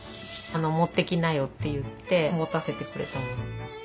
持ってきなよって言って持たせてくれたもの。